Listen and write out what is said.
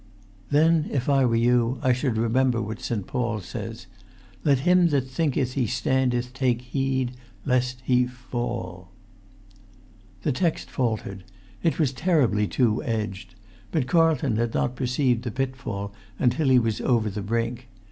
"Then, if I were you, I should remember what St. Paul says—'Let him that thinketh he standeth take heed—lest—he—fall.'" The text faltered; it was terribly two edged; but Carlton had not perceived the pitfall until he was over the brink.